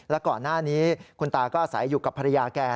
แล้วก่อนหน้านี้คุณตาก็อาศัยอยู่กับภรรยาแก